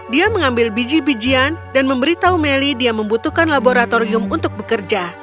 dia mengambil biji bijian dan memberitahu melly dia membutuhkan laboratorium untuk bekerja